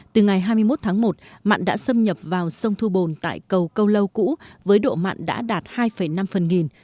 từ ngày hai mươi một tháng một mặn đã xâm nhập vào sông thu bồn tại cầu câu lâu cũ với độ mặn đã đạt hai năm phần nghìn